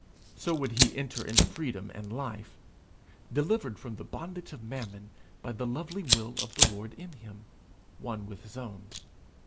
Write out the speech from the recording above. So would he enter into freedom and life, delivered from the bondage of mammon by the lovely will of the Lord in him, one with his own.